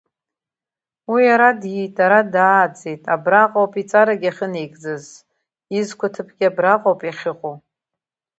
Уи ара диит, ара дааӡеит, абраҟа ауп иҵарагьы ахьынеигӡаз, изқәа аҭыԥгьы абраҟа ауп иахьыҟоу.